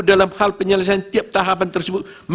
dalam hal penyelesaian tiap tahapan tersebut